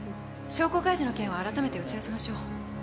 証拠開示の件は改めて打ち合わせましょう。